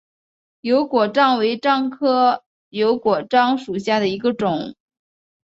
油果樟为樟科油果樟属下的一个种。